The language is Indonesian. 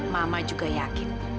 mama juga yakin